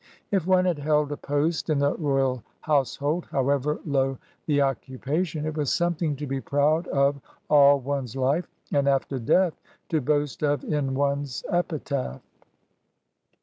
If one had held a post in the royal household, however low the occupa tion, it was something to be proud of all one's hfe, and after death to boast of in one's epitaph.